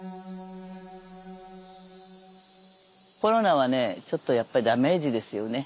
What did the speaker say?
コロナはねちょっとやっぱりダメージですよね。